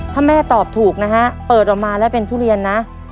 ถ้าแม่ตอบถูกนะฮะเปิดออกมาแล้วเป็นทุเรียนนะ